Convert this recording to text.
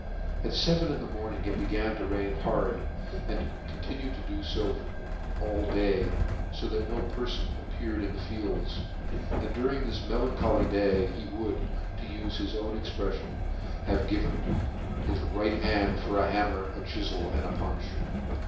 At feven in the morning it began to rain hard, and continued to do fo all day, Ib that no perfon appeared in the fields : and during this melan choly day he would, to uie his own exprtffion, *' have given his right hand for a hammer, a " chifTel, and a punch."